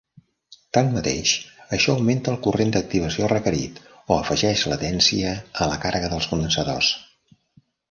Tanmateix, això augmenta el corrent d'activació requerit o afegeix latència a la càrrega dels condensadors.